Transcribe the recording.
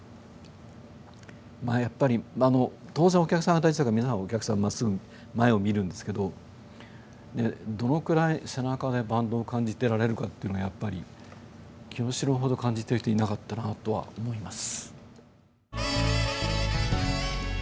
まあやっぱり当然お客さんが大事だから皆さんお客さんをまっすぐ前を見るんですけどどのくらい背中でバンドを感じてられるかというのがやっぱりキヨシローほど感じてる人いなかったなとは思います。